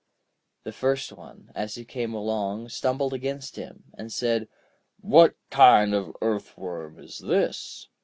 The first one, as he came along, stumbled against him, and said: 'What kind of earthworm is this?'